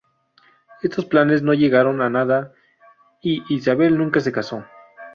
Estos planes no llegaron a nada y Isabel nunca se casó.